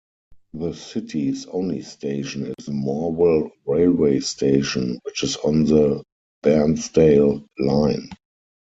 The city's only station is Morwell railway station which is on the Bairnsdale line.